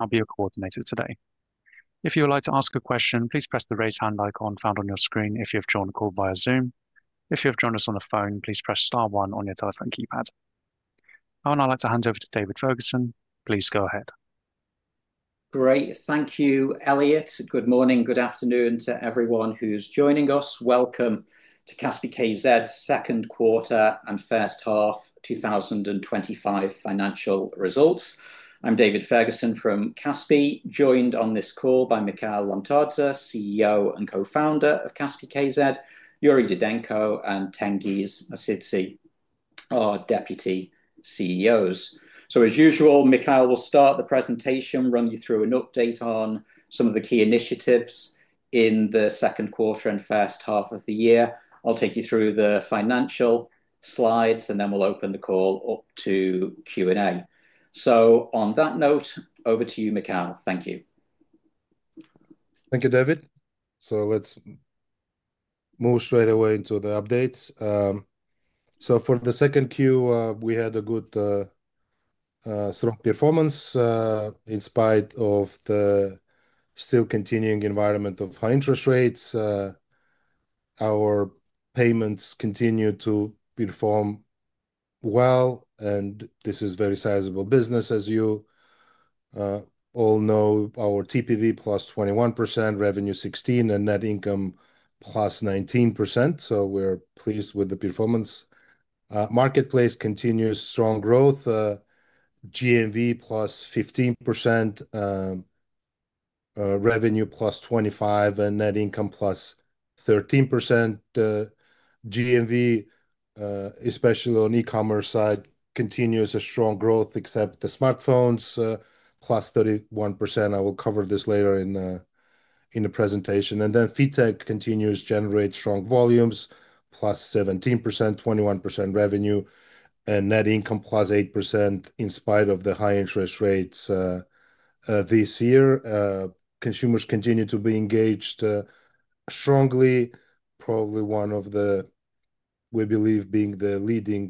I'll be your coordinator today. If you would like to ask a question, please press the Raise hand icon found on your screen if you have joined the call via Zoom. If you have joined us on the phone, please press star one on your telephone keypad. I would now like to hand over to David Ferguson. Please go ahead. Great. Thank you. Good morning. Good afternoon to everyone who's joining us. Welcome to Kaspi.kz second quarter and first half 2025 financial results. I'm David Ferguson from Kaspi, joined on this by Mikheil Lomtadze, CEO and Co-Founder of Kaspi.kz. Yuri Didenko and Tengiz Mosidze are Deputy CEOs. As usual, Mikheil will start the presentation, run you through an update on some of the key initiatives in the second quarter and first half of the year. I'll take you through the financial slides and then we'll open the call up to Q&A. On that note, over to you, Mikheil. Thank you. Thank you, David. Let's move straight away into the updates. For the second Q we had a good strong performance in spite of the still continuing environment of high interest rates. Our payments continue to perform well and this is a very sizable business. As you all know, our TPV is up 21%, revenue 16%, and net income up 19%, so we're pleased with the performance. Marketplace continues strong growth, GMV up 15%, revenue up 25%, and net income up 13%. GMV, especially on the e-commerce side, continues strong growth except the smartphones, up 31%. I will cover this later in the presentation. Fintech continues to generate strong volumes, up 17%, 21% revenue, and net income up 8%. In spite of the high interest rates this year, consumers continue to be engaged strongly, probably one of the, we believe, being the leading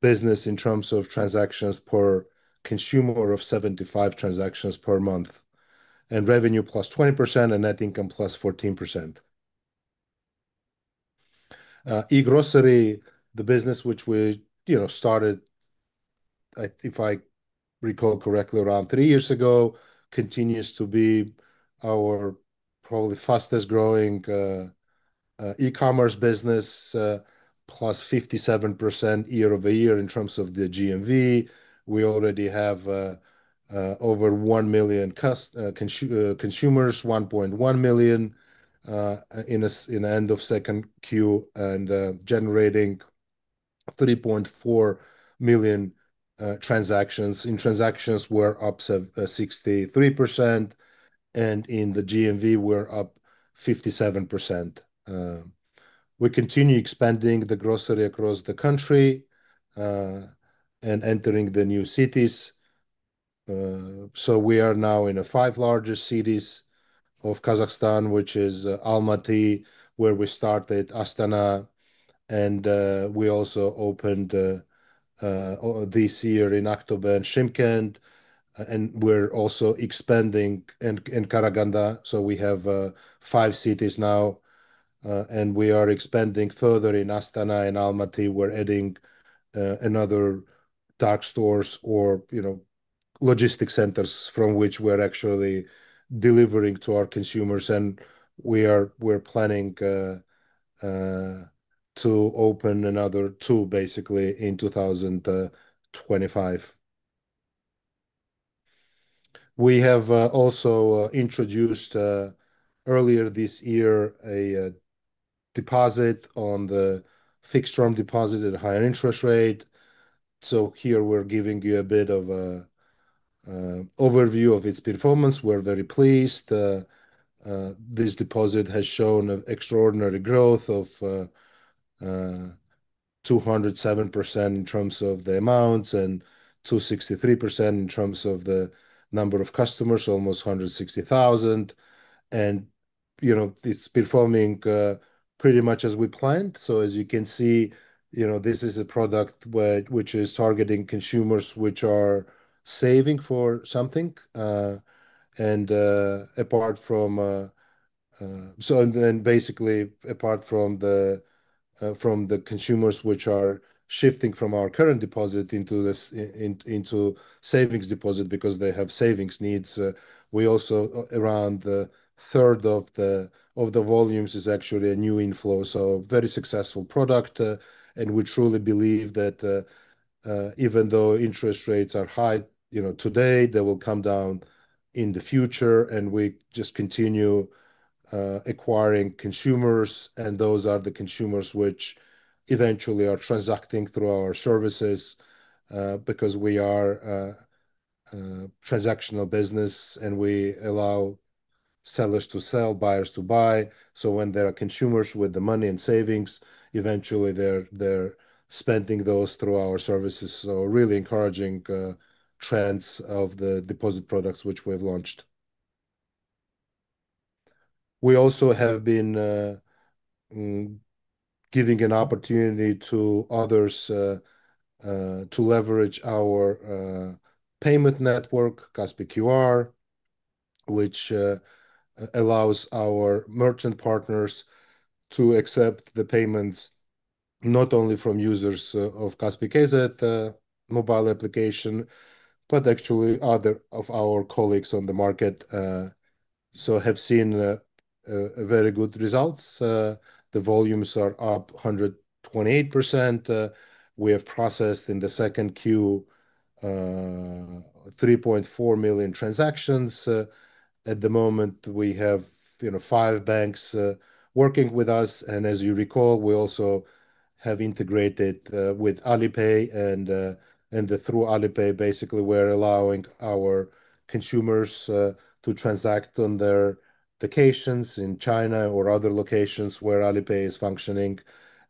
business in terms of transactions per consumer of 75 transactions per month, and revenue up 20% and net income up 14%. e-Grocery, the business which we started, if I recall correctly, around three years ago, continues to be our probably fastest growing e-commerce business, up 57% year over year. In terms of the GMV, we already have over 1 million consumers, 1.1 million at the end of second Q, and generating 3.4 million transactions. Transactions were up 63% and in the GMV we're up 57%. We continue expanding the grocery across the country and entering new cities. We are now in the five largest cities of Kazakhstan, which is Almaty where we started, Astana, and we also opened this year in Aktobe and Shymkent, and we're also expanding in Karaganda. We have five cities now and we are expanding further in Astana and Almaty. We're adding another dark store or logistics centers from which we're actually delivering to our consumers. We're planning to open another two basically in 2025. We have also introduced earlier this year a deposit on the fixed-term deposit at higher interest rate. Here we're giving you a bit of an overview of its performance. We're very pleased. This deposit has shown an extraordinary growth of 207% in terms of the amounts and 263% in terms of the number of customers, almost 160,000. It's performing pretty much as we planned. As you can see, this is a product which is targeting consumers which are saving for something. Apart from the consumers which are shifting from our current deposit into savings deposit because they have savings needs, around a third of the volumes is actually a new inflow. Very successful product. We truly believe that even though interest rates are high, they will come down in the future. We just continue acquiring consumers and those are the consumers which eventually are transacting through our services because we are a transactional business and we allow sellers to sell, buyers to buy. When there are consumers with the money and savings, eventually they're spending those through our services. Really encouraging trends of the deposit products which we've launched. We also have been giving an opportunity to others to leverage our payment network, Kaspi QR, which allows our merchant partners to accept the payments not only from users of the Kaspi.kz mobile application, but actually other of our colleagues on the market. Have seen very good results. The volumes are up 128%. We have processed in the second quarter 3.4 million transactions. At the moment we have five banks working with us. As you recall, we also have integrated with Alipay and through Alipay, we're allowing our consumers to transact on their vacations in China or other locations where Alipay is functioning,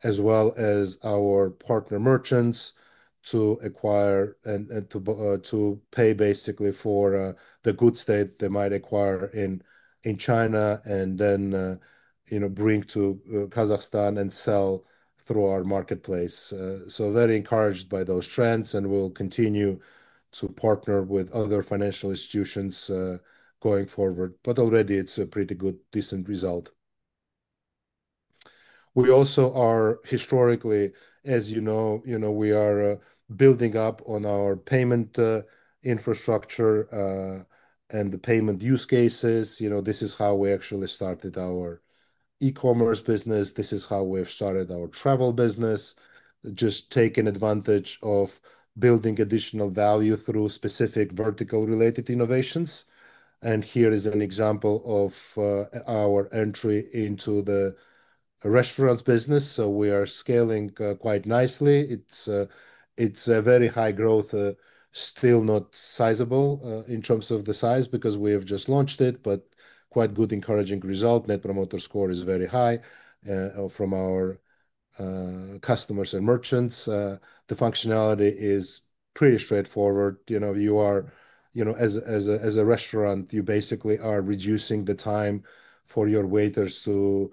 as well as our partner merchants to acquire and to pay for the goods that they might acquire in China and then bring to Kazakhstan and sell through our marketplace. Very encouraged by those trends and we'll continue to partner with other financial institutions going forward. Already it's a pretty good decent result. We also are historically, as you know, building up on our payment infrastructure and the payment use cases. This is how we actually started our e-commerce business. This is how we've started our travel business, just taking advantage of building additional value through specific vertical related innovations. Here is an example of our entry into the restaurants business. We are scaling quite nicely. It's very high growth. Still not sizable in terms of the size because we have just launched it, but quite good. Encouraging result. Net promoter score is very high from our customers and merchants. The functionality is pretty straightforward. You know, as a restaurant, you basically are reducing the time for your waiters to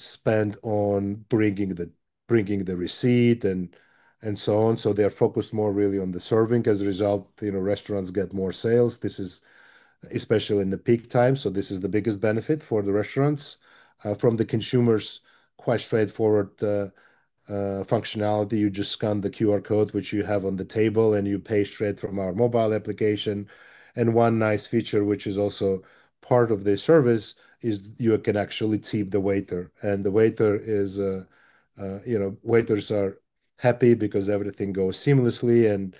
spend on bringing the receipt and so on. They are focused more really on the serving. As a result, restaurants get more sales. This is especially in the peak time. This is the biggest benefit for the restaurants from the consumers. Quite straightforward functionality. You just scan the QR code which you have on the table and you pay straight from our mobile application. One nice feature which is also part of this service is you can actually see the waiter and the waiter is, you know, waiters are happy because everything goes seamlessly.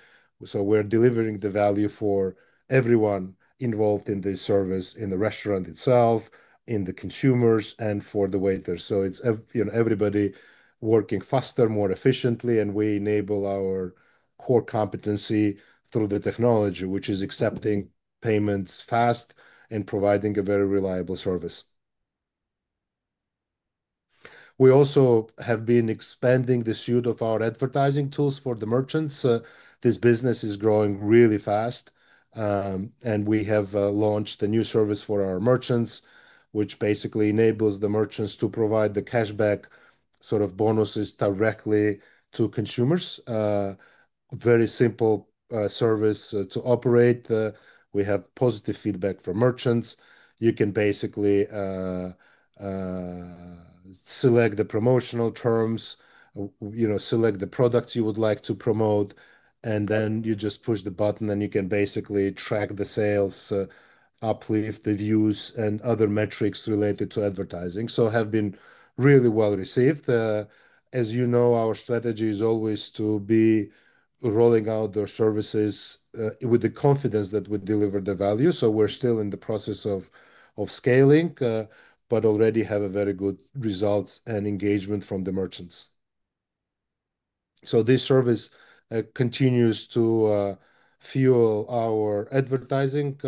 We're delivering the value for everyone involved in this service, in the restaurant itself, in the consumers and for the waiters. It's everybody working faster, more efficiently and we enable our core competency through the technology which is accepting payments fast and providing a very reliable service. We also have been expanding the suite of our advertising tools for the merchants. This business is growing really fast and we have launched a new service for our merchants which basically enables the merchants to provide the cashback sort of bonuses directly to consumers. Very simple service to operate. We have positive feedback from merchants. You can basically select the promotional terms, select the products you would like to promote and then you just push the button and you can basically track the sales uplift, the views and other metrics related to advertising. Have been really well received. As you know, our strategy is always to be rolling out their services with the confidence that would deliver the value. We're still in the process of scaling but already have very good results and engagement from the merchants. This service continues to fuel our Advertising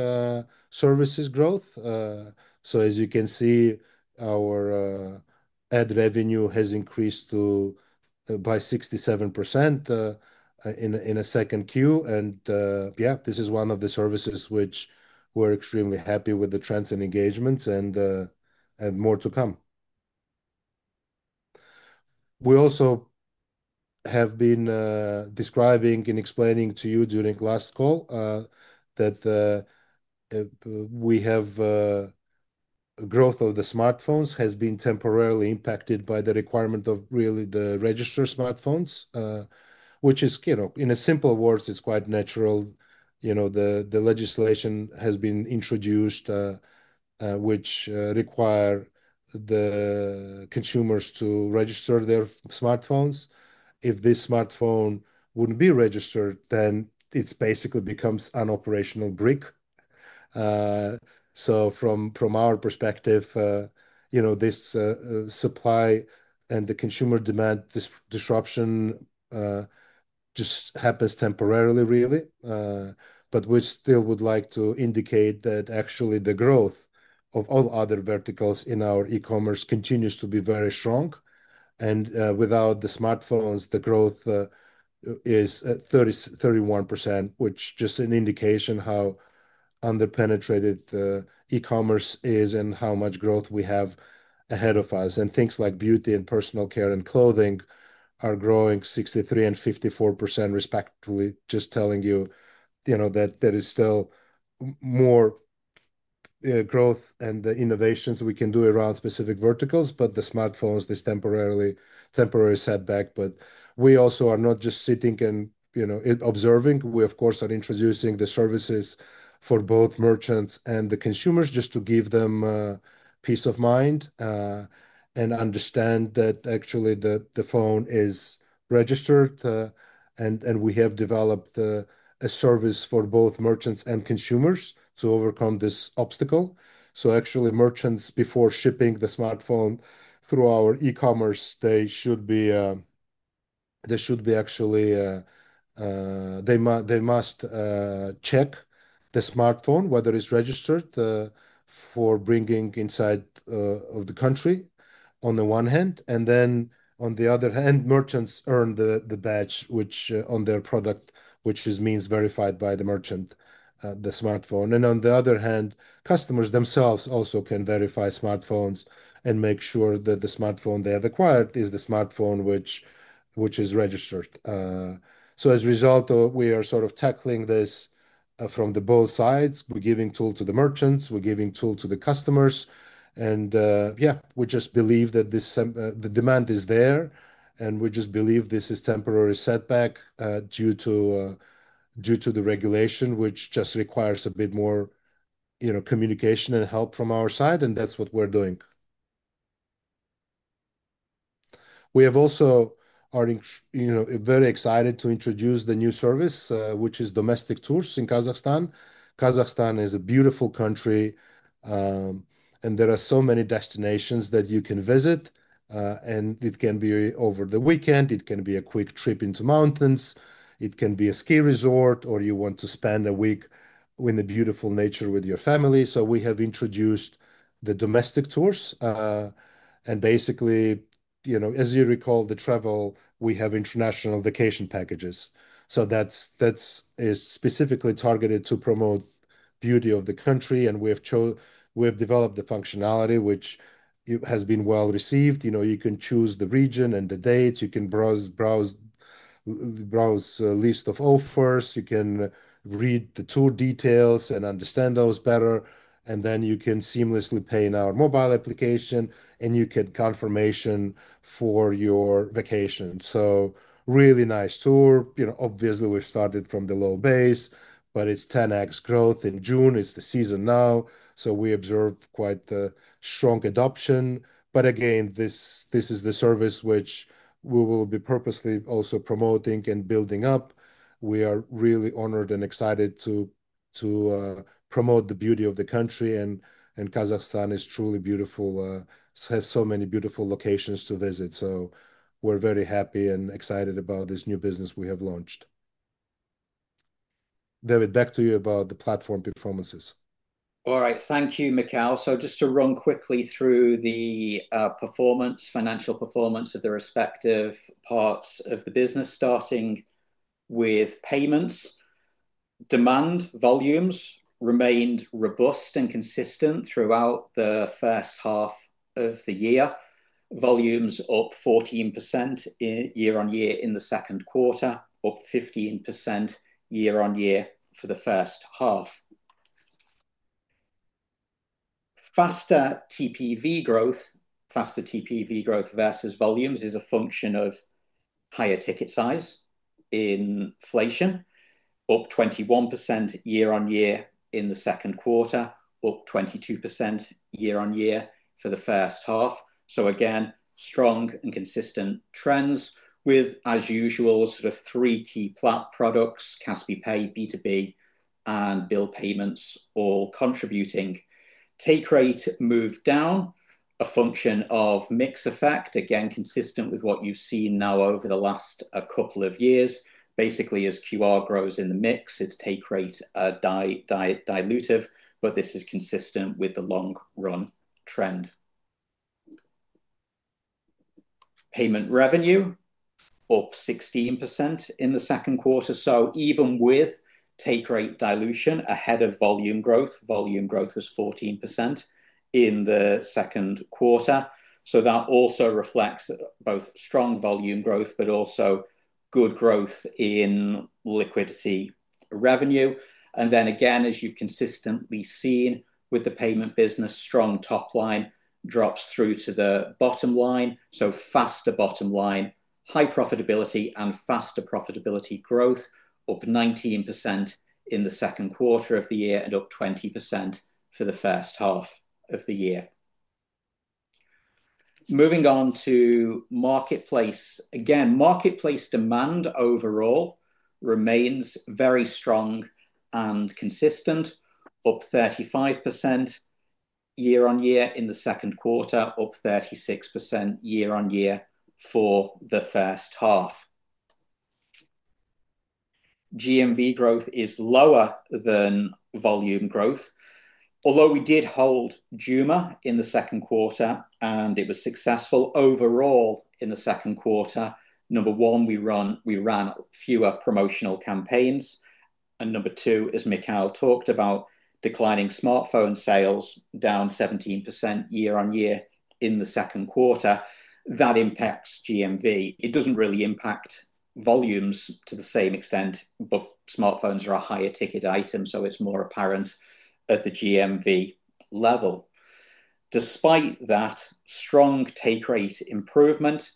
Service growth. As you can see, our ad revenue has increased by 67% in Q2. This is one of the services which we're extremely happy with the transient engagements and more to come. We also have been describing and explaining to you during last call that we have growth of the smartphones has been temporarily impacted by the requirement of really the register smartphones which is, in a simple words, it's quite natural. The legislation has been introduced which require the consumers to register their smartphones. If this smartphone wouldn't be registered, then it basically becomes an operational brick. From our perspective, this supply and the consumer demand disruption just happens temporarily really. We still would like to indicate that actually the growth of all other verticals in our e-commerce continues to be very strong. Without the smartphones, the growth is 31%, which is just an indication how underpenetrated the e-commerce is and how much growth we have ahead of us. Things like beauty and personal care and clothing are growing 63% and 54% respectively, just telling you that there is still more growth and the innovations we can do around specific verticals. The smartphones, this temporary setback. We also are not just sitting and observing. We of course are introducing the services for both merchants and the consumers just to give them peace of mind and understand that actually the phone is registered. We have developed a service for both merchants and consumers to overcome this obstacle. Actually, merchants, before shipping the smartphone through our e-commerce, they must check the smartphone whether it's registered for bringing inside of the country on the one hand. On the other hand, merchants earn the badge on their product which means verified by the merchant, the smartphone. Customers themselves also can verify smartphones and make sure that the smartphone they have acquired is the smartphone which is registered. As a result, we are sort of tackling this from both sides. We're giving tool to the merchants, we're giving tool to the customers. We just believe that the demand is there and we just believe this is a temporary setback due to the regulation which just requires a bit more communication and help from our side. That's what we're doing. We also are very excited to introduce the new service which is domestic tours in Kazakhstan. Kazakhstan is a beautiful country and there are so many destinations that you can visit and it can be over the weekend, it can be a quick trip into mountains, it can be a ski resort, or you want to spend a week in the beautiful nature with your family. We have introduced the domestic tours and basically as you recall the travel, we have international vacation packages. That is specifically targeted to promote beauty of the country. We have developed the functionality which has been well received. You can choose the region and the dates, you can browse list of offers, you can read the tour details and understand those better, and then you can seamlessly pay in our mobile application and you get confirmation for your vacation. Really nice tour. Obviously we've started from the low base, but it's 10x growth in June. It's the season now, so we observe quite strong adoption. This is the service which we will be purposely also promoting and building up. We are really honored and excited to promote the beauty of the country, and Kazakhstan is truly beautiful, has so many beautiful locations to visit. We're very happy and excited about this new business we have launched. David, back to you about the platform performances. All right, thank you, Mikheil. Just to run quickly through the financial performance of the respective parts of the business, starting with payments, demand volumes remained robust and consistent throughout the first half of the year. Volumes up 14% year on year in the second quarter, up 15% year on year for the first half. Faster TPV growth versus volumes is a function of higher ticket size, inflation up 21% year on year in the second quarter, up 22% year on year for the first half. Again, strong and consistent trends with, as usual, sort of three key products, Kaspi Pay, B2B, and bill payments all contributing. Take rate moved down, a function of mix effect, again consistent with what you've seen now over the last couple of years. Basically, as Kaspi QR grows in the mix, its take rate is dilutive, but this is consistent with the long run trend. Payment revenue up 16% in the second quarter. Even with take rate dilution ahead of volume growth, volume growth was 14% in the second quarter. That also reflects both strong volume growth but also good growth in liquidity revenue. As you've consistently seen with the payment business, strong top line drops through to the bottom line. Faster bottom line, high profitability, and faster profitability growth, up 19% in the second quarter of the year and up 20% for the first half of the year. Moving on to marketplace, again, marketplace demand overall remains very strong and consistent, up 35% year on year in the second quarter, up 36% year on year for the first half. GMV growth is lower than volume growth, although we did hold Joom in the second quarter and it was successful overall in the second quarter. Number one, we ran fewer promotional campaigns and number two, as Mikheil talked about, declining smartphone sales, down 17% year on year in the second quarter, that impacts GMV. It doesn't really impact volumes to the same extent. Smartphones are a higher ticket item, so it's more apparent at the GMV level. Despite that, strong take rate improvement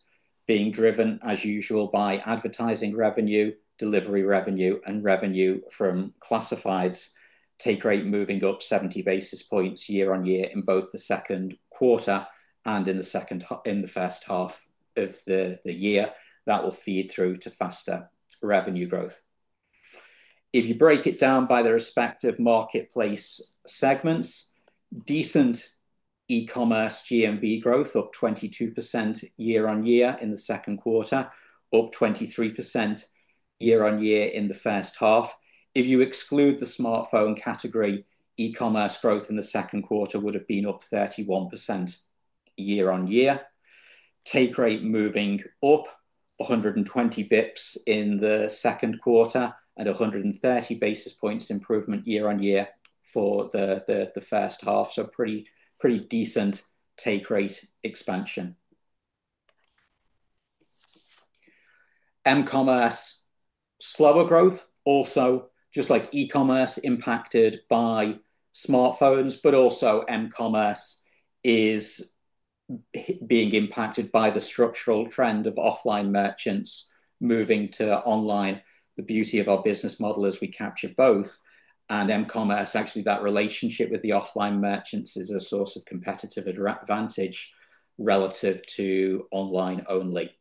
being driven as usual by advertising revenue, delivery revenue, and revenue from classifieds, take rate moving up 70 basis points year on year in both the second quarter and in the first half of the year. That will feed through to faster revenue growth. If you break it down by the respective marketplace segments, decent e-commerce GMV growth, up 22% year on year in the second quarter, up 23% year on year in the first half. If you exclude the smartphone category, e-commerce growth in the second quarter would have been up 31% year on year. Take rate moving up 120 bps in the second quarter and 130 basis points improvement year on year for the first half. Pretty decent take rate expansion. M-commerce slower growth. Also just like e-commerce impacted by smartphones, but also M-commerce is being impacted by the structural trend of offline merchants moving to online. The beauty of our business model is we capture both and M-commerce. Actually, that relationship with the offline merchants is a source of competitive advantage relative to online-only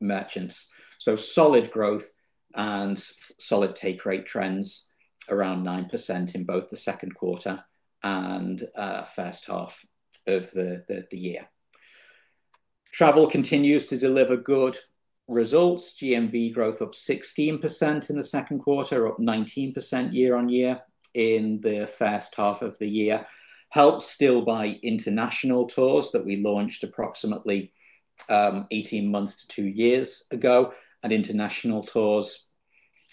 merchants. Solid growth and solid take rate trends around 9% in both the second quarter and first half of the year. Travel continues to deliver good results. GMV growth up 16% in the second quarter, up 19% year on year in the first half of the year, helped still by international tours that we launched approximately 18 months to two years ago, and international tours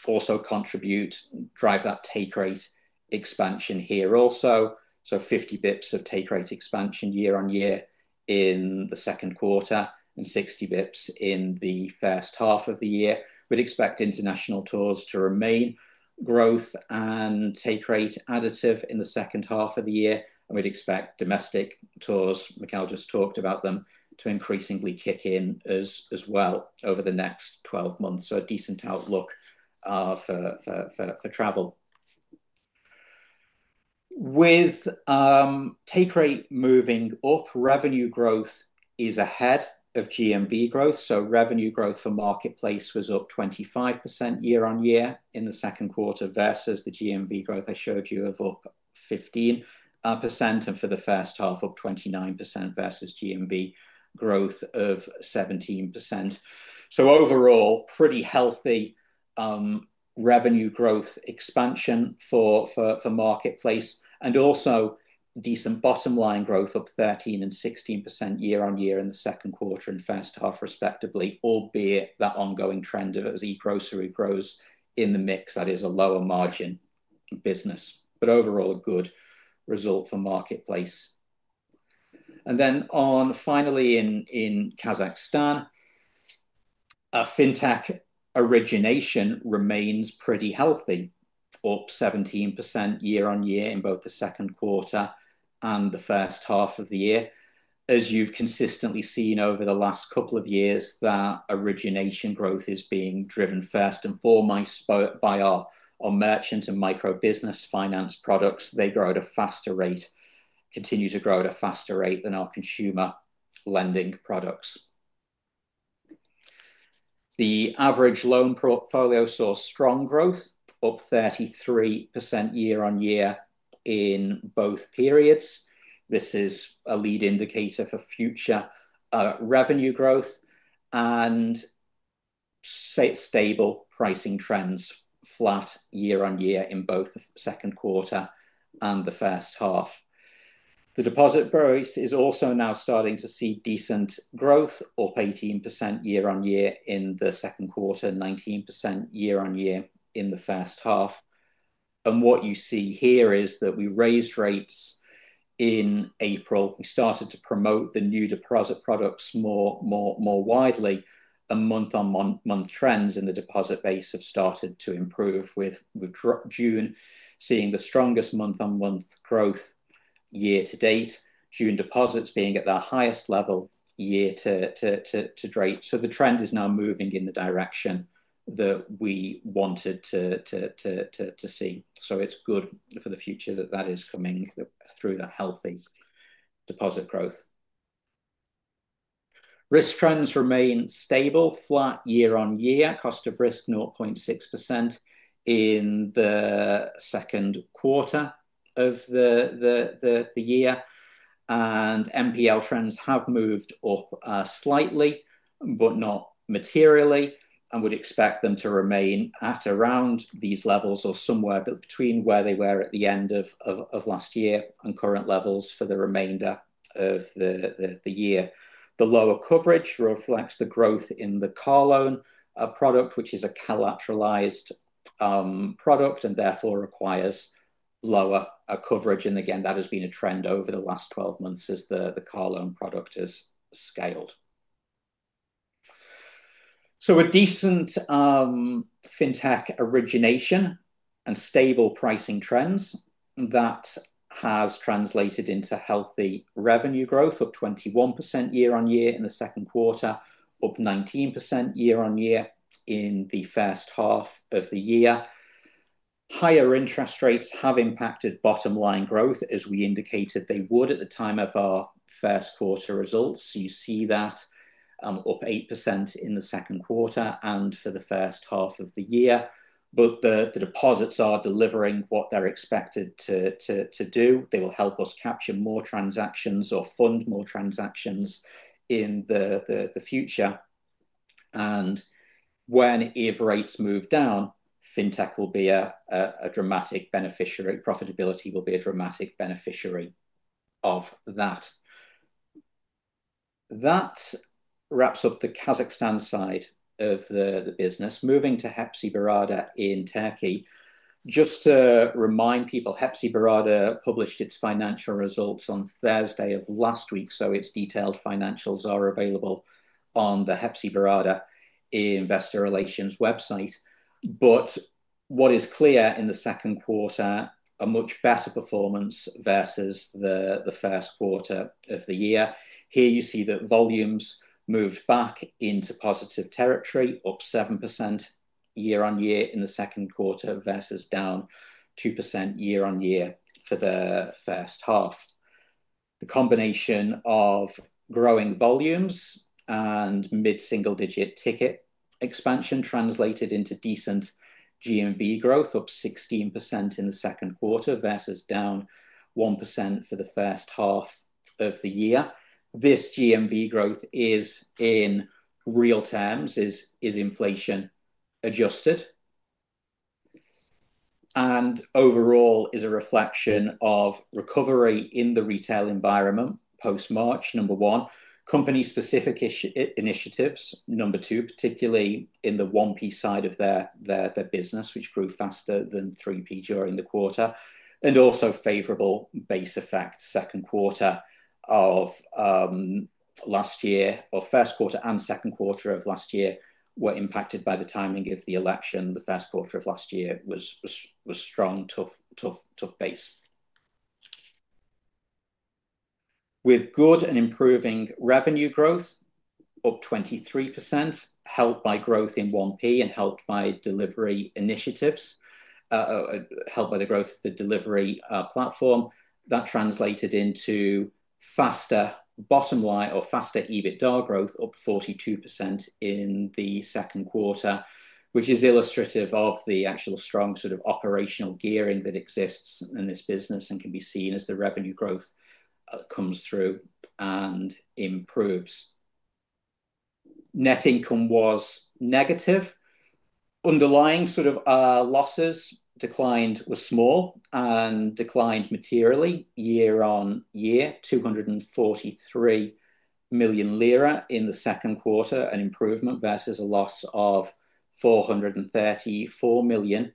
also contribute, drive that take rate expansion here also. 50 bps of take rate expansion year on year in the second quarter and 60 bps in the first half of the year. We'd expect international tours to remain growth and take rate additive in the second half of the year, and we'd expect domestic tours Mikheil just talked about them to increasingly kick in as well over the next 12 months. A decent outlook for travel. With take rate moving up. Revenue growth is ahead of GMV growth. Revenue growth for Marketplace was up 25% year on year in the second quarter versus the GMV growth I showed you of up 15%, and for the first half up 29% versus GMV growth of 17%. Overall, pretty healthy revenue growth expansion for Marketplace and also decent bottom line growth, up 13% and 16% year on year in the second quarter and first half, respectively. Albeit that ongoing trend of e-Grocery grows in the mix, that is a lower margin business, but overall a good result for Marketplace. Finally, in Kazakhstan, fintech origination remains pretty healthy, up 17% year on year in both the second quarter and the first half of the year. As you've consistently seen over the last couple of years, that origination growth is being driven first and foremost by our merchant and micro business finance products. They grow at a faster rate, continue to grow at a faster rate than our consumer lending products. The average loan portfolio saw strong growth, up 33% year on year in both periods. This is a lead indicator for future revenue growth and stable pricing trends, flat year on year in both the second quarter and the first half. The deposit price is also now starting to see decent growth of 18% year on year in the second quarter, 19% year on year in the first half. What you see here is that we raised rates in April and started to promote the new deposit products more widely. Month on month trends in the deposit base have started to improve, with June seeing the strongest month on month growth year to date, human deposits being at their highest level year to date. The trend is now moving in the direction that we wanted to see. It is good for the future that that is coming through. The healthy deposit growth risk trends remain stable, flat year on year, cost of risk 0.6% in the second quarter of the year, and NPL trends have moved up slightly but not materially and would expect them to remain at around these levels or somewhere between where they were at the end of last year and current levels for the remainder of the year. The lower coverage reflects the growth in the car loan product, which is a collateralized product and therefore requires lower coverage. That has been a trend over the last 12 months as the car loan product has scaled. Decent fintech origination and stable pricing trends have translated into healthy revenue growth. Up 21% year on year in the second quarter, up 19% year on year in the first half of the year. Higher interest rates have impacted bottom line growth as we indicated they would at the time of our first quarter results. You see that up 8% in the second quarter and for the first half of the year. The deposits are delivering what they're expected to do. They will help us capture more transactions or fund more transactions in the future, and if rates move down, fintech will be a dramatic beneficiary. Profitability will be a dramatic beneficiary of that. That wraps up the Kazakhstan side of the business. Moving to Hepsiburada in Turkey, just to remind people, Hepsiburada published its financial results on Thursday of last week. Its detailed financials are available on the Hepsiburada investor relations website. What is clear in the second quarter is a much better performance versus the first quarter of the year. Here you see that volumes moved back into positive territory, up 7% year on year in the second quarter versus down 2% year on year for the first half. The combination of growing volumes and mid single digit ticket expansion translated into decent GMV growth, up 16% in the second quarter versus down 1% for the first half of the year. This GMV growth is in real terms, is inflation adjusted, and overall is a reflection of recovery in the retail environment post March. Number one, company specific initiatives. Number two, particularly in the 1P side of their business, which grew faster than 3P during the quarter, and also favorable base effect. Second quarter of last year or first quarter and second quarter of last year were impacted by the timing of the election. The first quarter of last year was a strong, tough base with good and improving revenue growth, up 23%, helped by growth in 1P and helped by delivery initiatives, helped by the growth of the delivery platform. That translated into faster bottom line or faster EBITDA growth, up 42% in the second quarter, which is illustrative of the actual strong sort of operational gearing that exists in this business and can be seen as the revenue growth comes through and improves. Net income was negative, underlying sort of losses declined, was small and declined materially year on year. 243 million lira in the second quarter, an improvement versus a loss of 434 million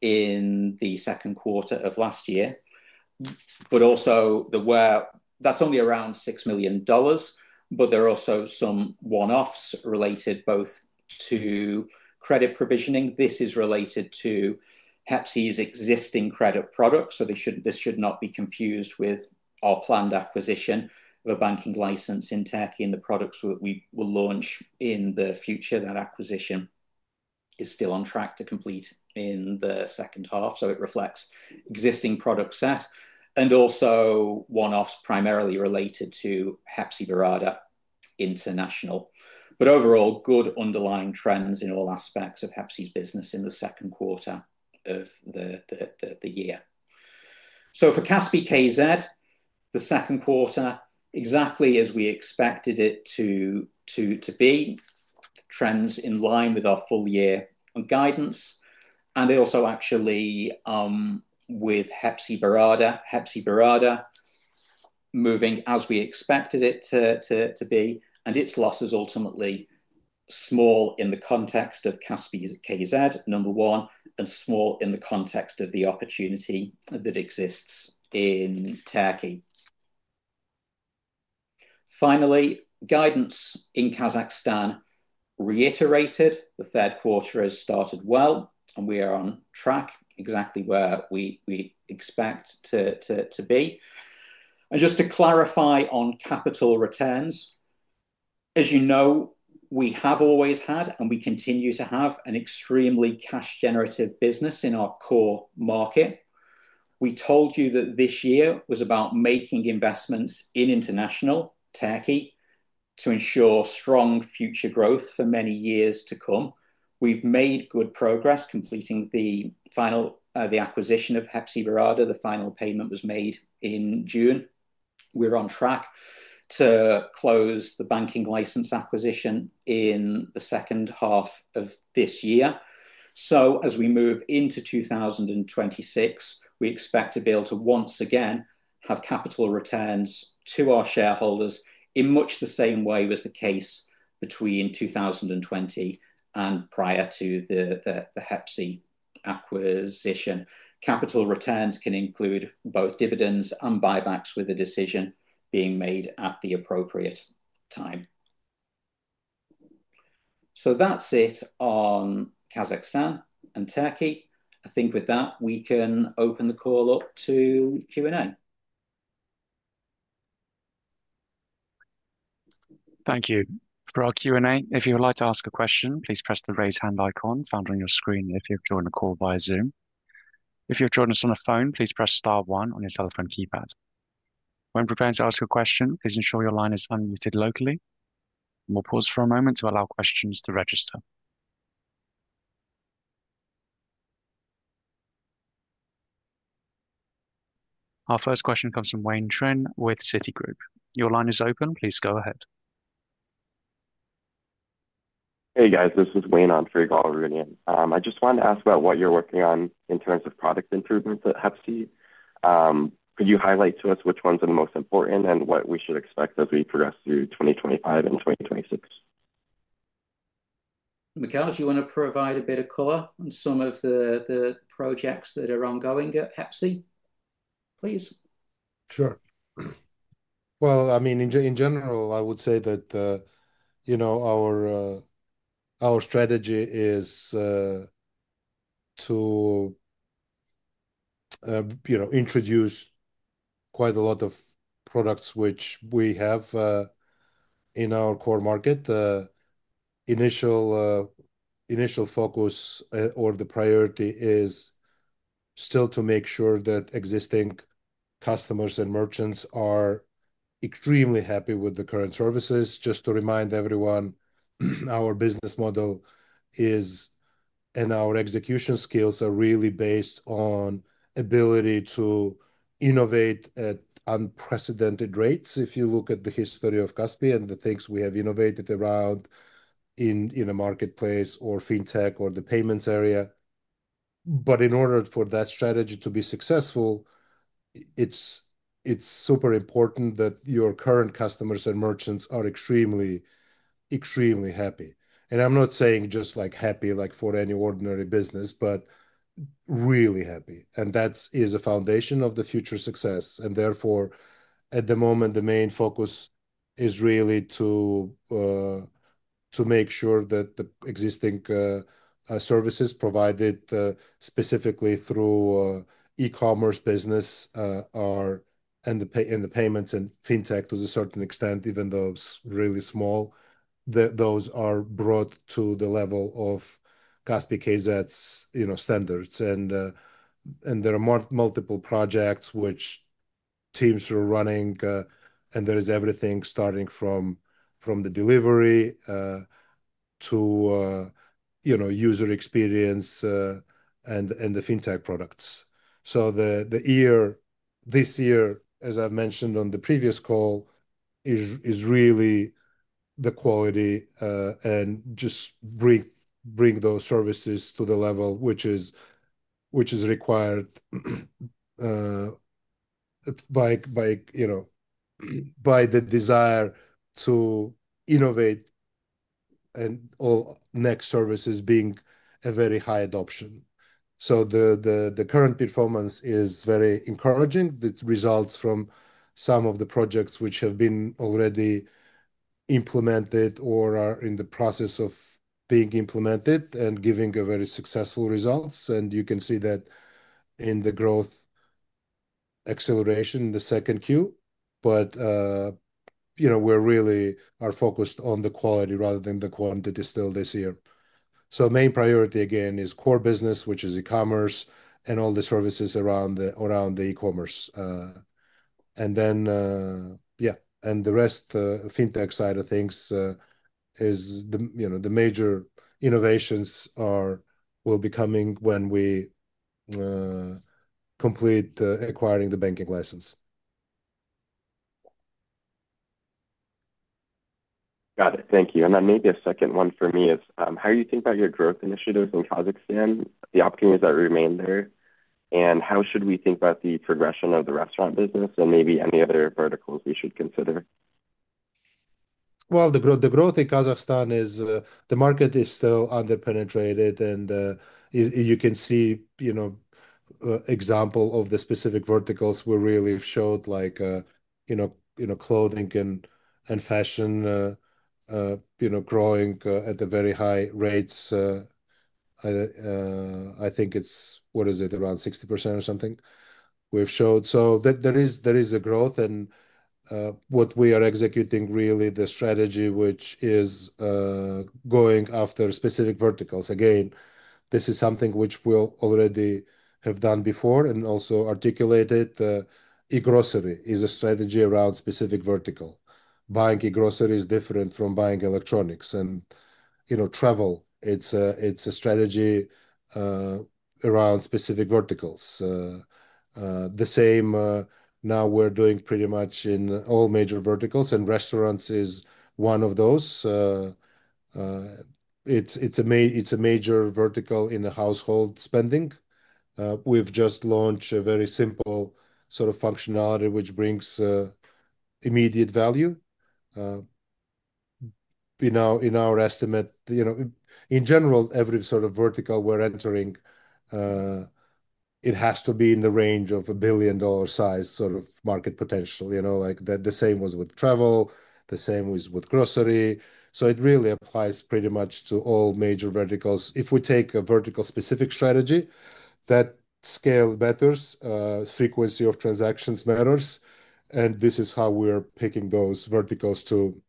in the second quarter of last year. That's only around TRY 6 million. There are also some one offs related both to credit provisioning. This is related to Hepsiburada's existing credit products. This should not be confused with our planned acquisition of a banking license in Turkey and the products that we will launch in the future. That acquisition is still on track to complete in the second half, so it reflects existing product set and also one-offs primarily related to Hepsiburada International, but overall good underlying trends in all aspects of Hepsiburada's business in the second quarter of the year. For Kaspi.kz, the second quarter was exactly as we expected it to be, trends in line with our full year guidance and also actually with Hepsiburada moving as we expected it to be, and its loss is ultimately small in the context of Kaspi.kz, number one, and small in the context of the opportunity that exists in Turkey. Finally, guidance in Kazakhstan reiterated the third quarter has started well and we are on track exactly where we expect to be. Just to clarify on capital returns, as you know, we have always had and we continue to have an extremely cash generative business in our core market. We told you that this year was about making investments in international Turkey to ensure strong future growth for many years to come. We've made good progress completing the final acquisition of Hepsiburada. The final payment was made in June. We're on track to close the banking license acquisition in the second half of this year. As we move into 2026, we expect to be able to once again have capital returns to our shareholders in much the same way as was the case between 2020 and prior to the Hepsiburada acquisition. Capital returns can include both dividends and buybacks with a decision being made at the appropriate time. That's it on Kazakhstan and Turkey. I think with that we can open the call up to Q&A. Thank you for our Q and A. If you would like to ask a question, please press the raise hand icon found on your screen if you're in a call via Zoom. If you're joining us on the phone, please press star 1 on your telephone keypad. When preparing to ask a question, please ensure your line is unmuted locally. We'll pause for a moment to allow questions to register. Our first question comes from Wayne Tang with Citi. Your line is open. Please go ahead. Hey guys, this is Wayne on Freegal rooting. I just wanted to ask about what you're working on in terms of product improvements at Kaspi.kz. Could you highlight to us which ones are the most important and what we should expect as we progress through 2025 and 2026? Mikheil, do you want to provide a bit of color on some of the projects that are ongoing at Kaspi, please? Sure. In general, I would say that our strategy is to introduce quite a lot of products which we have in our core market. Initial focus or the priority is still to make sure that existing customers and merchants are extremely happy with the current services. Just to remind everyone, our business model and our execution skills are really based on ability to innovate at unprecedented rates. If you look at the history of Kaspi.kz and the things we have innovated around in a marketplace or fintech or the payments area, in order for that strategy to be successful, it's super important that your current customers and merchants are extremely, extremely happy. I'm not saying just like happy, like for any ordinary business, but really happy. That is a foundation of the future success. Therefore, at the moment, the main focus is really to make sure that the existing services provided specifically through e-commerce business and the payments and fintech to a certain extent, even though it's really small, those are brought to the level of Kaspi.kz standards. There are multiple projects which teams are running and there is everything starting from the delivery to user experience and the fintech products. This year, as I've mentioned on the previous call, is really the quality and just bring those services to the level which is required by the desire to innovate. All next services being a very high adoption. The current performance is very encouraging. That results from some of the projects which have been already implemented or are in the process of being implemented and giving very successful results. You can see that in the growth acceleration in the second Q. We really are focused on the quality rather than the quantity still this year. Main priority again is core business which is e-commerce and all the services around the e-commerce and then, yeah, the rest fintech side of things is the, you know, the major innovations will be coming when we complete acquiring the banking license. Got it, thank you. Maybe a second one for me is how are you thinking about your growth initiatives in Kazakhstan, the opportunities that remain there, and how should we think about the progression of the restaurant business and maybe any other verticals you should consider? The growth in Kazakhstan is, the market is still underpenetrated and you can see, for example, the specific verticals we really showed, like clothing and fashion, growing at very high rates. I think it's, what is it, around 60% or something we've showed. There is growth and we are executing the strategy which is going after specific verticals. Again, this is something which we've already done before and also articulated. e-Grocery is a strategy around specific vertical buying. e-Grocery is different from buying electronics and travel. It's a strategy around specific verticals. The same now we're doing pretty much in all major verticals and restaurants is one of those. It's a major vertical in the household spending. We've just launched a very simple sort of functionality which brings immediate value. In our estimate, in general, every vertical we're entering has to be in the range of a billion dollar size market potential. The same was with travel, the same was with grocery. It really applies pretty much to all major verticals. If we take a vertical-specific strategy, that scale betters, frequency of transactions matters. This is how we are picking those verticals to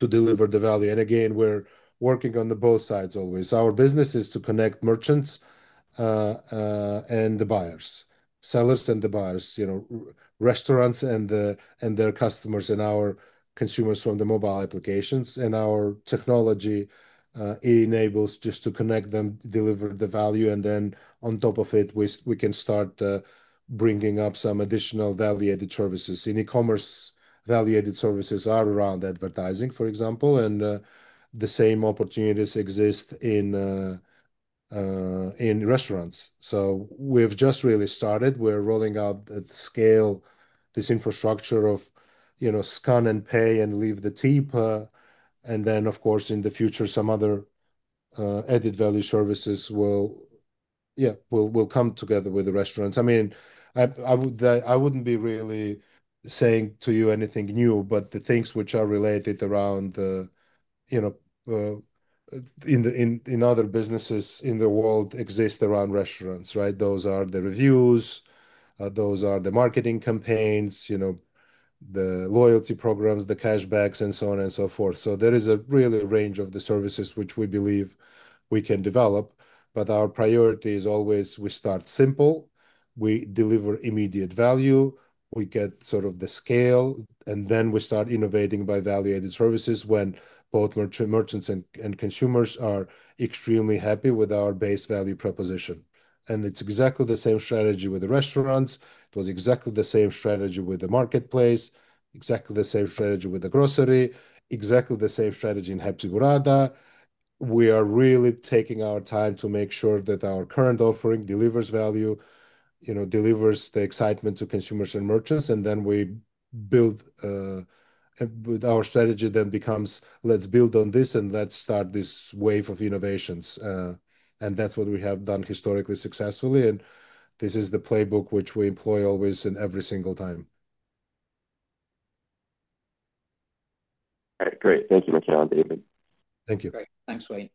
deliver the value. Again, we're working on both sides always. Our business is to connect merchants and the buyers, sellers and the buyers, restaurants and their customers, and our consumers from the mobile applications. Our technology enables us to connect them, deliver the value, and then on top of it we can start bringing up some additional value-added services. In e-commerce, value-added services are around advertising, for example, and the same opportunities exist in restaurants. We've just really started, we're rolling out scale, this infrastructure of scan and pay and leave the tip. Of course, in the future some other added value services will come together with the restaurants. I mean, I wouldn't be really saying to you anything new, but the things which are related around in other businesses in the world exist around restaurants, right? Those are the reviews, those are the marketing campaigns, the loyalty programs, the cashbacks, and so on and so forth. There is a range of the services which we believe we can develop. Our priority is always we start simple, we deliver immediate value, we get sort of the scale, and then we start innovating by value added services when both merchants and consumers are extremely happy with our base value proposition. It's exactly the same strategy with the restaurants, exactly the same strategy with the marketplace, exactly the same strategy with the grocery, exactly the same strategy in Hepsiburada. We are really taking our time to make sure that our current offering delivers value, delivers the excitement to consumers and merchants. We build with our strategy, then it becomes let's build on this and let's start this wave of innovations. That's what we have done historically successfully. This is the playbook which we employ always in every single time. All right, great, thank you Mikheil and David. Thank you. Thanks Wayne.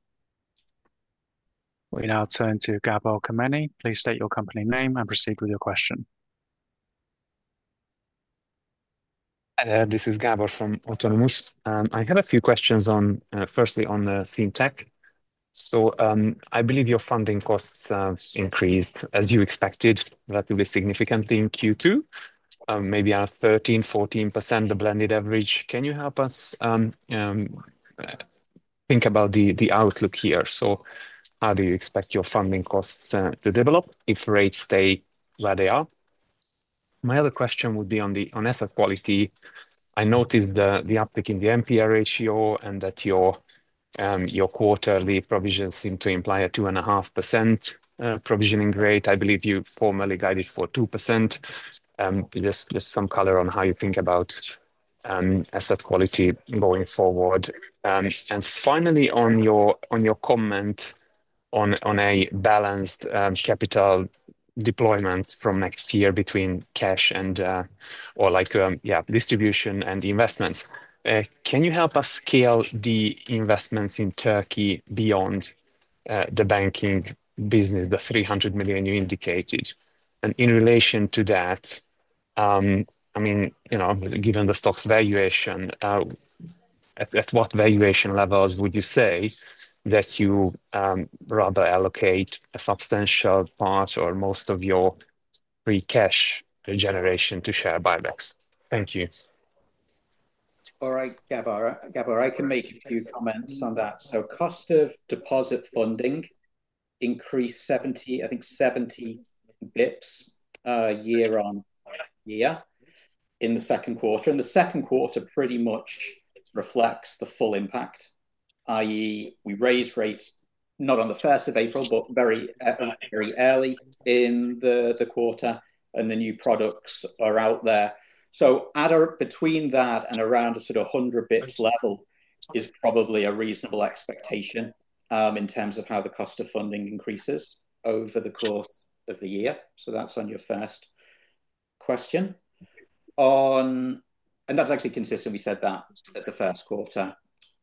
We now turn to Gabor Kemeny. Please state your company name and proceed with your question. Hi there, this is Gabor from Autonomous. I had a few questions on, firstly, on fintech. I believe your funding costs increased as you expected, relatively significantly in Q2, maybe at 13%, 14%, the blended average. Can you help us think about the outlook here? How do you expect your funding costs to develop if rates stay where they are? My other question would be on asset quality. I noticed the uptick in the NPL ratio and that your quarterly provisions seem to imply a 2.5% provisioning rate. I believe you formally guided for 2%. Just some color on how you think about asset quality going forward. Finally, on your comment on a balanced capital deployment from next year between cash and, or like, distribution and investments. Can you help us scale the investments in Turkey beyond the banking business, the 300 million you indicated? In relation to that, given the stock's valuation, at what valuation levels would you say that you rather allocate a substantial part or most of your free cash generation to share buybacks? Thank you. All right, Gabor, I can make a few comments on that. Cost of deposit funding increased 70, I think 70 bps year on year in the second quarter. The second quarter pretty much reflects the full impact. That is, we raised rates not on the 1st of April but very, very early in the quarter and the new products are out there. Between that and around a sort of 100 bps level is probably a reasonable expectation in terms of how the cost of funding increases over the course of the year. That's on your first question and that's actually consistent. We said that at the first quarter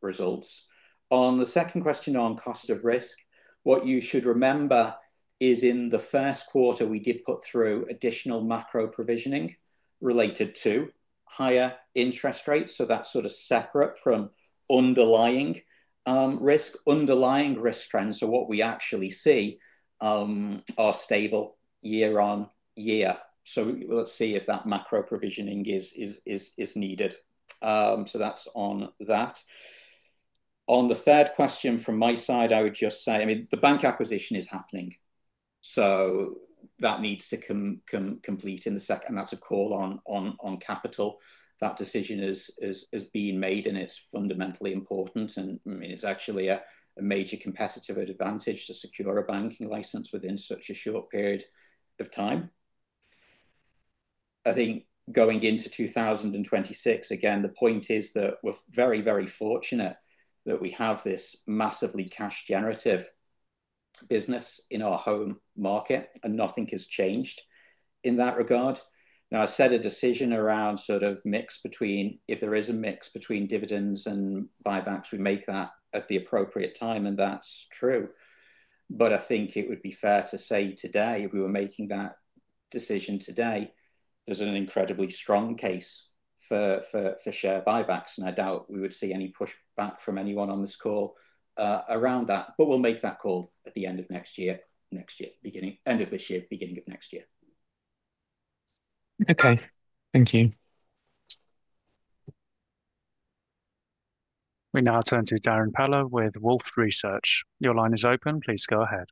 results. On the second question on cost of risk, what you should remember is in the first quarter we did put through additional macro provisioning related to higher interest rates. That's sort of separate from underlying risk, underlying risk trends. What we actually see are stable year on year. Let's see if that macro provisioning is needed. That's on that. On the third question from my side, I would just say, the bank acquisition is happening, so that needs to come complete in the second and that's a call on capital. That decision has been made and it's fundamentally important and it's actually a major competitive advantage to secure a banking license within such a short period of time, I think going into 2026. The point is that we're very, very fortunate that we have this massively cash generative business in our home market and nothing has changed in that regard. I set a decision around sort of mix between, if there is a mix between dividends and buybacks, we make that at the appropriate time. That's true. I think it would be fair to say today if we were making that decision today, there's an incredibly strong case for share buybacks and I doubt we would see any push from anyone on this call around that. We'll make that call at the end of next year. End of this year. Beginning of next year. Okay, thank you. We now turn to Darrin Peller with Wolfe Research, your line is open. Please go ahead.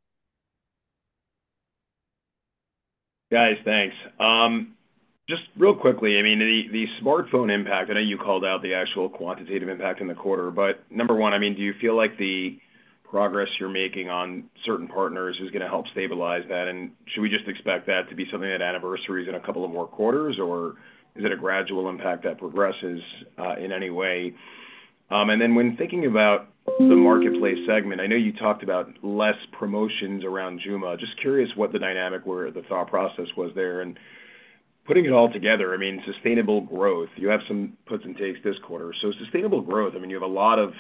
Guys. Thanks. Just real quickly, I mean, the smartphone impact, I know you called out the actual quantitative impact in the quarter. Number one, do you feel like the progress you're making on certain partners is going to help stabilize that, and should we just expect that to be something that anniversaries in a couple more quarters, or is it a gradual impact that progresses in any way? When thinking about the marketplace segment, I know you talked about less promotions around Joom. Just curious what the dynamic was, the thought process was there, and putting it all together. I mean, sustainable growth, you have some puts and takes this quarter. Sustainable growth, you have a lot of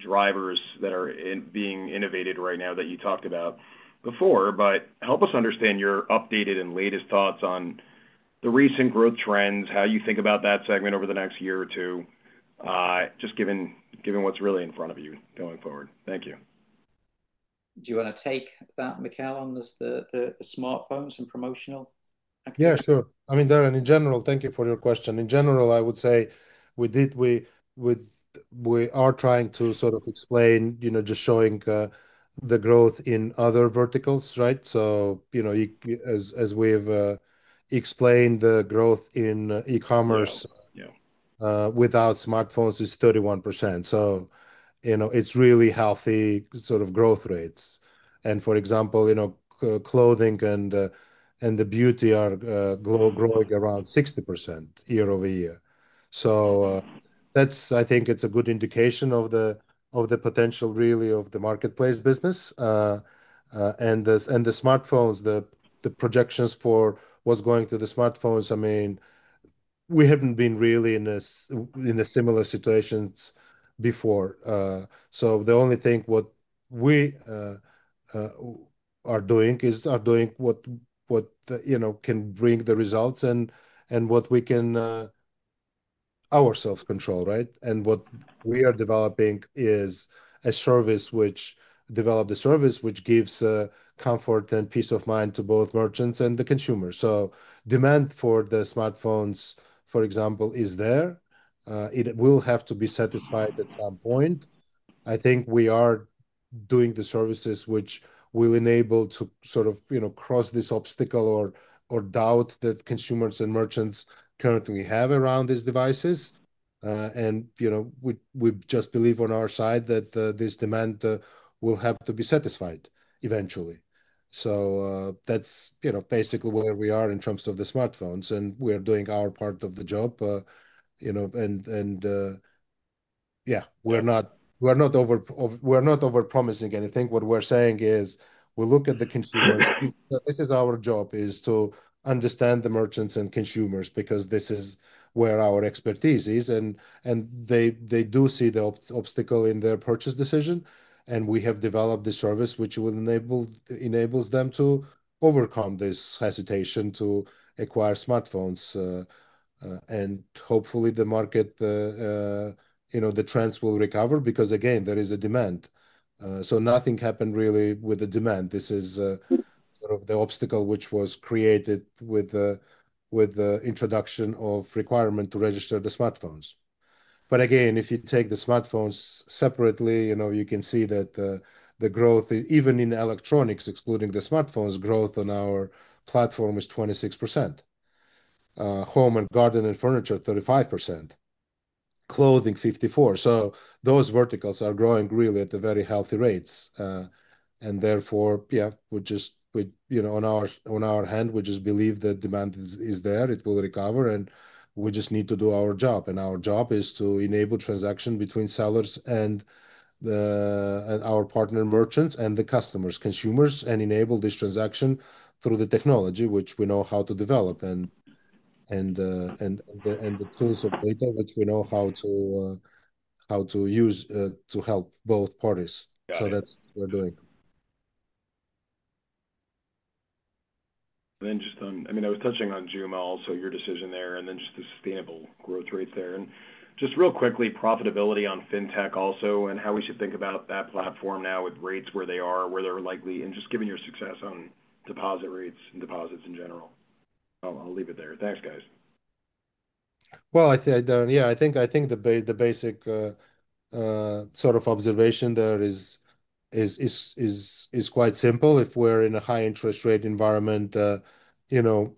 drivers that are being innovated right now that you talked about before. Help us understand your updated and latest thoughts on the recent growth trends, how you think about that segment over the next year or two, just given what's really in front of you going forward. Thank you. Do you want to take that, Mikheil, on this? Smartphones and promotional. Yeah, sure. I mean, Darrin, in general, thank you for your question. In general, I would say we did. We are trying to sort of explain, you know, just showing the growth in other verticals. Right. As we've explained, the growth in e-commerce without smartphones is 31%. It's really healthy sort of growth rates. For example, clothing and the beauty are growing around 60% year over year. I think it's a good indication of the potential really of the marketplace business and this and the smartphones, the projections for what's going to the smartphones. I mean, we haven't been really in similar situations before. The only thing we are doing is doing what, what you know, can bring the results and what we can ourselves control. What we are developing is a service which, develop the service which gives comfort and peace of mind to both merchants and the consumer. Demand for the smartphones, for example, is there. It will have to be satisfied at some point. I think we are doing the services which will enable to sort of, you know, cross this obstacle or doubt that consumers and merchants currently have around these devices. We just believe on our side that this demand will have to be satisfied eventually. That's basically where we are in terms of the smartphones and we are doing our part of the job. We're not over promising anything. What we're saying is we look at the consumers, this is our job is to understand the merchants and consumers because this is where our expertise is. They do see the obstacle in their purchase decision. We have developed the service which will enable them to overcome this hesitation to acquire smartphones and hopefully the market, you know, the trends will recover because again, there is a demand. Nothing happened really with the demand. This is the obstacle which was created with the introduction of requirement to register the smartphones. Again, if you take the smartphones separately, you can see that the growth even in electronics, excluding the smartphones, growth on our platform is 26%, home and garden and furniture 35%, clothing 54%. Those verticals are growing really at the very healthy rates. Therefore, on our hand, we just believe that demand is there, it will recover and we just need to do our job. Our job is to enable transaction between sellers and our partner merchants and the customers, consumers and enable this transaction through the technology which we know how to develop and the tools of data which we know how to use to help both parties. That's what we're doing. I was touching on Joom, also your decision there, and the sustainable growth rates there, and just real quickly, profitability on fintech also and how we should think about that platform now with rates where they are, where they're likely. Just given your success on deposit rates and deposits in general, I'll leave it there. Thanks guys. I think the basic sort of observation there is quite simple. If we're in a high interest rate environment,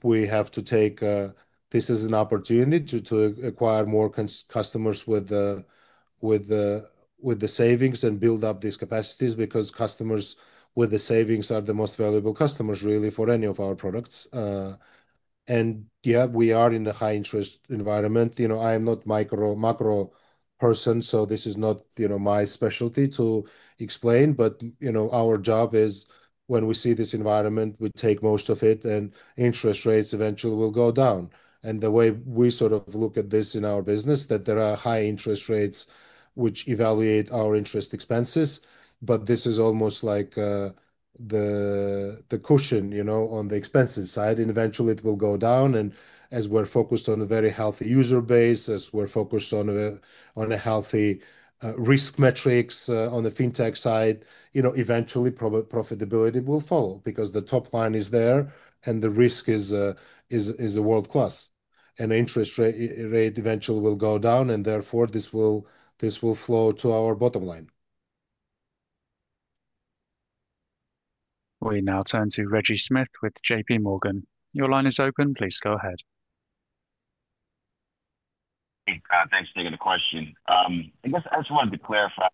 we have to take this as an opportunity to acquire more customers with the savings and build up these capacities because customers with the savings are the most valuable customers really for any of our products. Yeah, we are in a high interest environment. I am not a macro person, so this is not my specialty to explain. Our job is when we see this environment, we take most of it and interest rates eventually will go down. The way we sort of look at this in our business is that there are high interest rates which evaluate our interest expenses. This is almost like the cushion on the expenses side and eventually it will go down. As we're focused on a very healthy user base, as we're focused on healthy risk metrics on the fintech side, eventually profitability will follow because the top line is there and the risk is world class and interest rate eventually will go down and therefore this will flow to our bottom line. We now turn to Reggie Smith with JPMorgan. Your line is open. Please go ahead. Thanks for taking the question. I guess I just wanted to clarify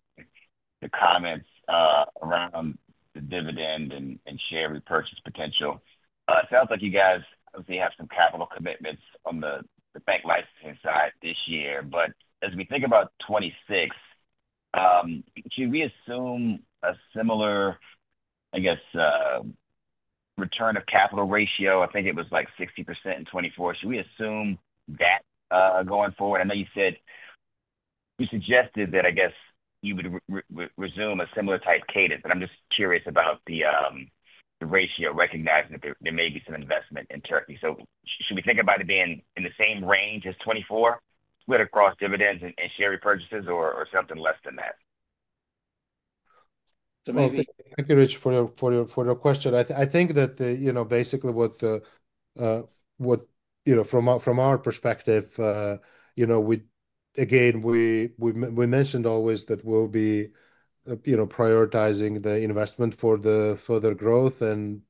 the comments around the dividend and share repurchase potential. It sounds like you guys have some capital commitments on the bank licensing side this year. As we think about 2026, can we assume a similar, I guess, return of capital ratio? I think it was like 60% in 2024. Should we assume that going forward? I know you said, you suggested that I guess you would resume a similar type cadence, but I'm just curious about the ratio, recognizing that there may be some investment in Turkey. Should we think about it being in the same range as 2024 across dividends and share repurchases or something less than that? Thank you, Rich, for your question. I think that, basically, from our perspective, we mentioned always that we'll be prioritizing the investment for the further growth, and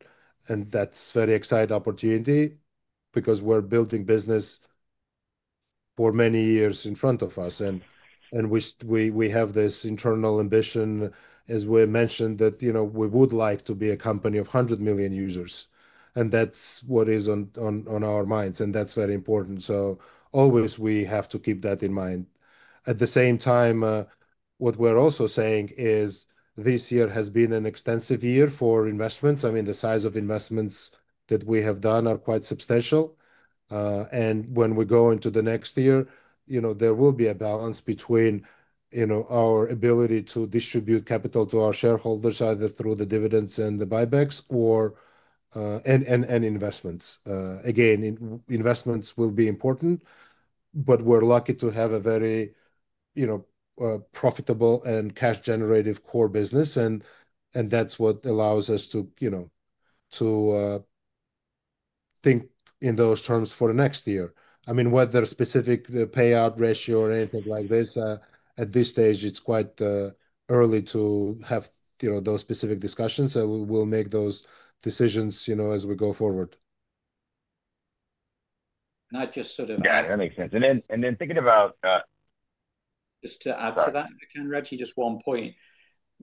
that's a very exciting opportunity because we're building business for many years in front of us and we have this internal ambition, as we mentioned, that we would like to be a company of 100 million users. That's what is on our minds and that's very important. We have to keep that in mind. At the same time, what we're also saying is this year has been an extensive year for investments. The size of investments that we have done are quite substantial. When we go into the next year, there will be a balance between our ability to distribute capital to our shareholders either through the dividends and the buybacks and investments. Investments will be important, but we're lucky to have a very profitable and cash generative core business. That's what allows us to think in those terms for next year. Whether specific payout ratio or anything like this, at this stage, it's quite early to have those specific discussions and we'll make those decisions as we go forward. I just sort of. Yeah, that makes sense. Then thinking about. Just to add to that, Reggie, just one point.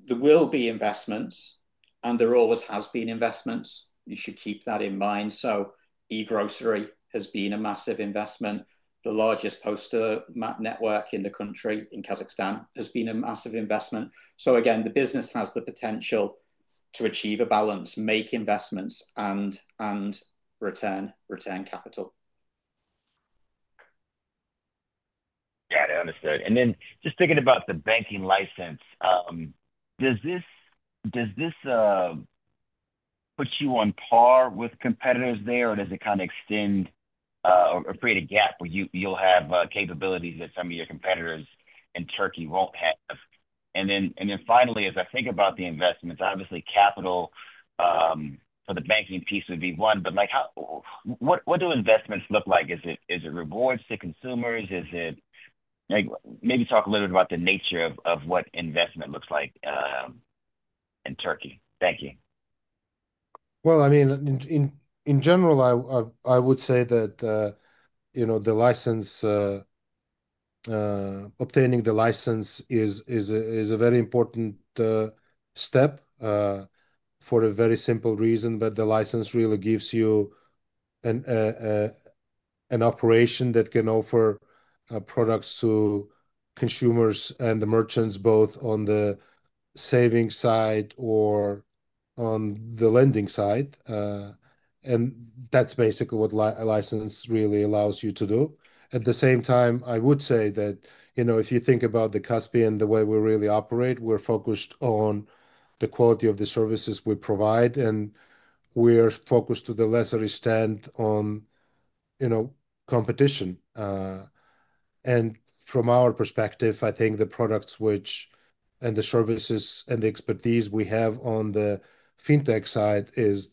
There will be investments, and there always has been investments. You should keep that in mind. e-Grocery has been a massive investment. The largest poster map network in the country in Kazakhstan has been a massive investment. The business has the potential to achieve a balance, make investments, and return capital. Got it? Understood. Just thinking about the banking license, does this put you on par with competitors there or does it kind of extend or create a gap where you'll have capabilities that some of your competitors in Turkey won't have? Finally, as I think about the investments, obviously capital for the banking piece would be one. What do investments look like? Is it rewards to consumers? Maybe talk a little bit about the nature of what investment looks like in Turkey. Thank you. I mean in general I would say that the license, obtaining the license is a very important step for a very simple reason. The license really gives you an operation that can offer products to consumers and the merchants, both on the saving side or on the lending side. That's basically what a license really allows you to do. At the same time I would say that, if you think about Kaspi.kz, the way we really operate, we're focused on the quality of the services we provide and we're focused to the lesser extent on competition. From our perspective I think the products, and the services and the expertise we have on the fintech side is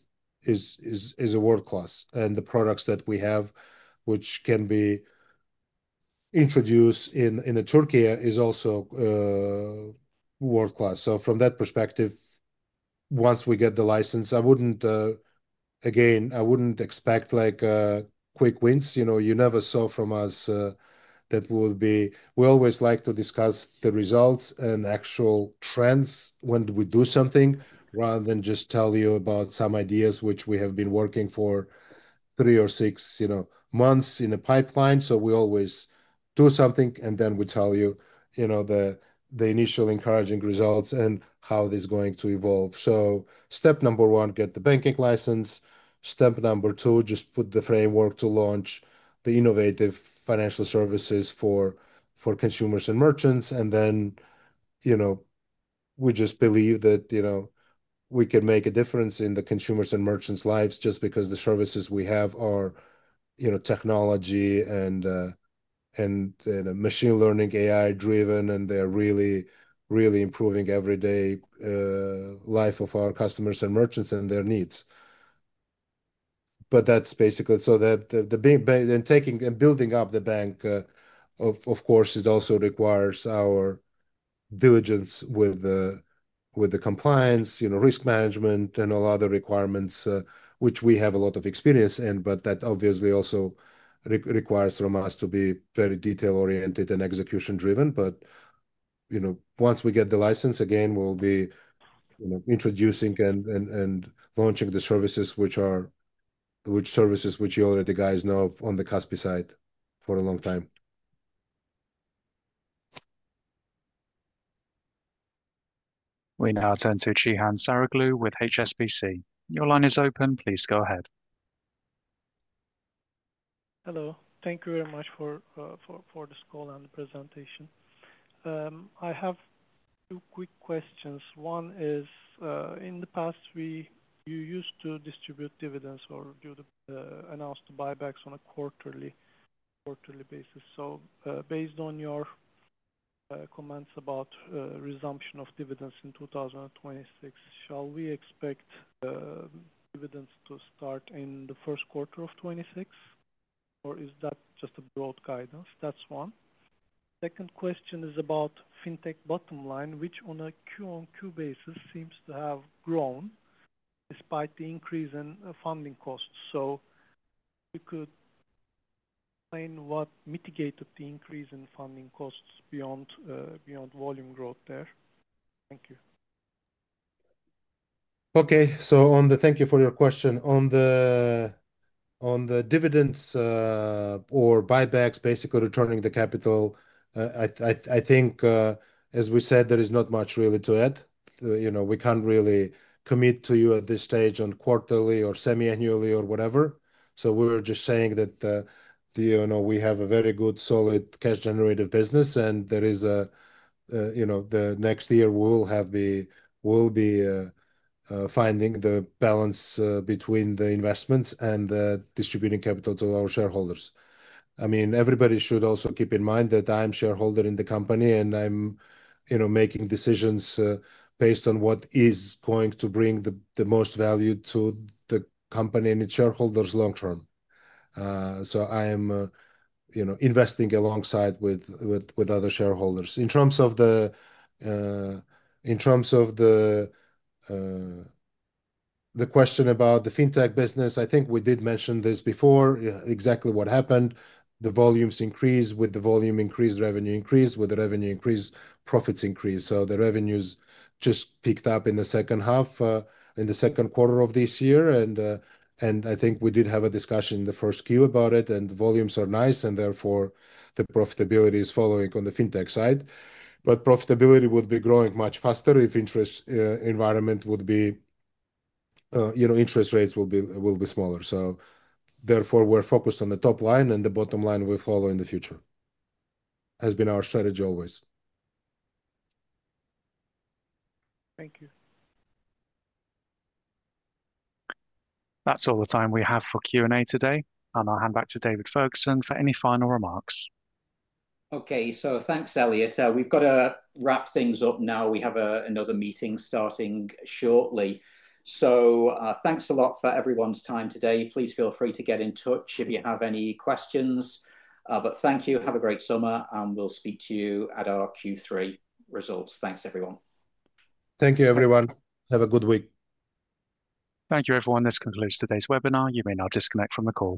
world class and the products that we have which can be introduced in Turkey is also. From that perspective, once we get the license, I wouldn't expect quick wins, you know, you never saw from us. That would be. We always like to discuss the results and actual trends when we do something rather than just tell you about some ideas which we have been working for three or six months in a pipeline. We always do something and then we tell you the initial encouraging results and how this is going to evolve. Step number one, get the banking license. Step number two, just put the framework to launch the innovative financial services for consumers and merchants. We just believe that we can make a difference in the consumers and merchants lives just because the services we have are technology and machine learning, AI driven and they're really, really improving everyday life of our customers and merchants and their needs. That's basically so building up the bank, of course it also requires our diligence with the compliance, risk management and all other requirements which we have a lot of experience in. That obviously also requires from us to be very detail oriented and execution driven. Once we get the license again, we'll be introducing and launching the services which are, which services which you already guys know on the Kaspi.kz side for a long time. We now turn to Cihan Sadrioglu with HSBC. Your line is open. Please go ahead. Hello. Thank you very much for this call and presentation. I have two quick questions. One is, in the past you used to distribute dividends or announced buybacks on a quarterly basis. Based on your comments about resumption of dividends in 2026, shall we expect dividends to start in 1Q26 or is that just a broad guidance? That's one. Second question is about fintech bottom line, which on a Q on Q basis seems to have grown despite the increase in funding costs. Could you explain what mitigated the increase in funding costs beyond volume growth there? Thank you. Okay, so on the. Thank you for your question on the dividends or buybacks, basically returning the capital. I think as we said there is not much really to add. We can't really commit to you at this stage on quarterly or semi annually or whatever. We were just saying that we have a very good solid cash generated business and there is the next year we'll be finding the balance between the investments and distributing capital to our shareholders. I mean everybody should also keep in mind that I'm shareholder in the company and I'm making decisions based on what is going to bring the most value to the company and its shareholders long term. I am, you know, investing alongside with other shareholders. In terms of the question about the fintech business, I think we did mention this before. Exactly what happened. The volumes increase with the volume increase, revenue increase with the revenue increase, profits increase. The revenues just picked up in the second half, in the second quarter of this year. I think we did have a discussion in the first Q about it and volumes are nice and therefore the profitability is following on the fintech side. Profitability would be growing much faster if interest rate environment would be, you know, interest rates will be, will be smaller. Therefore we're focused on the top line and the bottom line we follow in the future has been our strategy always. Thank you. That's all the time we have for Q&A today, and I'll hand back to David Ferguson for any final remarks. Okay, thanks Elliot. We've got to wrap things up now. We have another meeting starting shortly. Thanks a lot for everyone's time today. Please feel free to get in touch if you have any questions. Thank you. Have a great summer and we'll speak to you at our Q3 results. Thanks everyone. Thank you, everyone. Have a good week. Thank you everyone. This concludes today's webinar. You may now disconnect from the call.